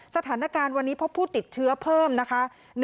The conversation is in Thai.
สถานการณ์วันนี้พบผู้ติดเชื้อเพิ่มนะคะ